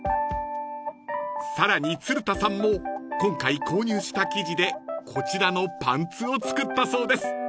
［さらに鶴田さんも今回購入した生地でこちらのパンツを作ったそうです］